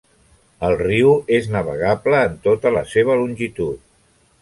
El riu és navegable en tota la seva longitud.